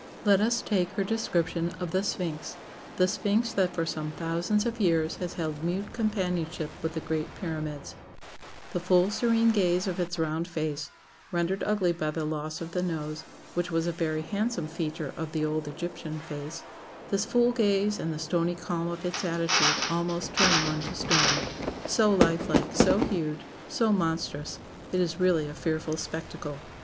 Let us take her description of the Sphinx the Sphinx that for some thousands of years has held mute companionship with the Great Pyramids: "The full serene gaze of its round face, rendered ugly by the loss of the nose, which was a very handsome feature of the old Egyptian face this full gaze, and the stony calm of its attitude almost turn one to stone. So life like, so huge, so monstrous; it is really a fearful spectacle.